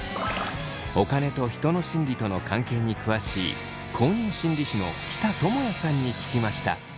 お金と人の心理との関係に詳しい公認心理師の喜田智也さんに聞きました。